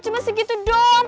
cuma segitu doang